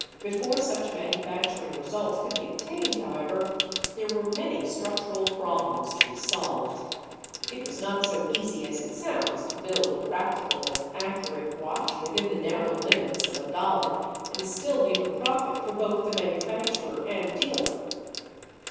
Before such manufacturing results could be obtained, however, there were many structural problems to be solved. It was not so easy as it sounds to build a practical and accurate watch within the narrow limits of a dollar and still leave a profit for both the manufacturer and dealer.